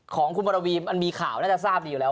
ของคุณบรวีมันมีข่าวน่าจะทราบดีอยู่แล้ว